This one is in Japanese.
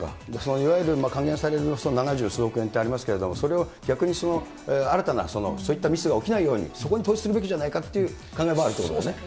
いわゆる還元されるおよそ七十数億円ってありますけれども、それを逆に新たなそういったミスが起きないように、そこに投資すべきではないかという考えもあるってことね。